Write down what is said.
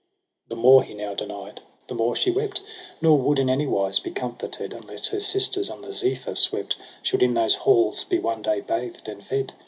The more he now denied, the more she wept • Nor would in anywise be comforted. Unless her sisters, on the Zephyr swept. Should in those halls be one day bathed and ted.